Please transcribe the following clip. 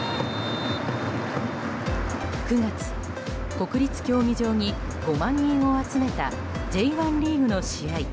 ９月、国立競技場に５万人を集めたＪ１リーグの試合。